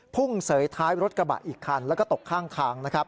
พุ่งเสยท้ายรถกระบะอีกครั้งแล้วก็ตกข้างทาง